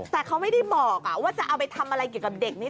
แต่เขาไม่ได้บอกว่าจะเอาไปทำอะไรเกี่ยวกับเด็กนี้